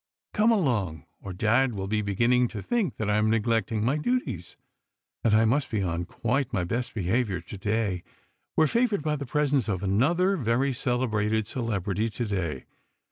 "Come along, or Dad will be beginning to think that I am neglecting my duties, and I must be on quite my best behaviour to day. We are favoured by the presence of another very celebrated celebrity to day.